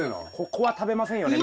ここは食べませんよね